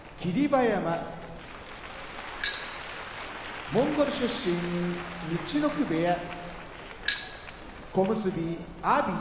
馬山モンゴル出身陸奥部屋小結・阿炎